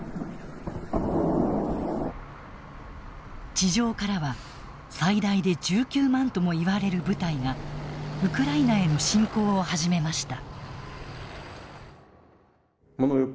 地上からは最大で１９万ともいわれる部隊がウクライナへの侵攻を始めました。